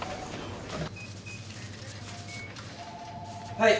はい。